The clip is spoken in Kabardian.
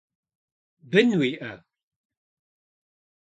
Бын уиӏэ?